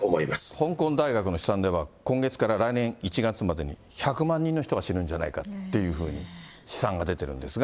香港大学の試算では、今月から来年１月までに１００万人の人が死ぬんじゃないかっていうふうに試算が出てるんですが。